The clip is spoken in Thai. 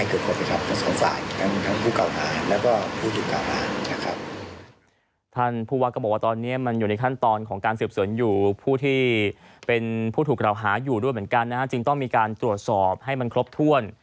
จริงต้องมีการตรวจสอบให้มันครบถ้วน